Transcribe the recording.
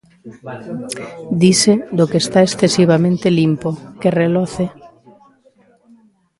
Dise do que está excesivamente limpo, que reloce.